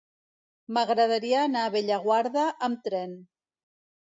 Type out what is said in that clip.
M'agradaria anar a Bellaguarda amb tren.